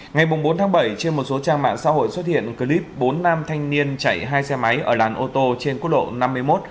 ngày bốn tháng bảy trên một số trang mạng xã hội xuất hiện clip bốn nam thanh niên chạy hai xe máy ở làn ô tô trên quốc lộ năm mươi một